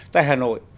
tại hà nội